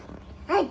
はい！